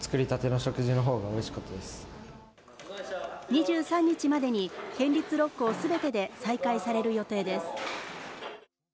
２３日までに県立６校全てで再開される予定です。